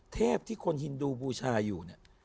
เทพที่คนฮินดูบูชาอยู่เนี่ย